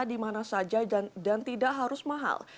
di mana saja dan tidak harus mahal